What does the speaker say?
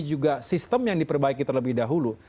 juga sistem yang diperbaiki terlebih dahulu